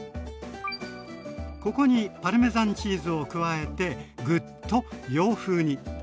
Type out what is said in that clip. ここにパルメザンチーズを加えてグッと洋風に。